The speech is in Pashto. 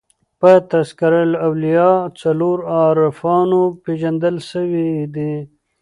په "تذکرةالاولیاء" څلور عارفانو پېژندل سوي دي.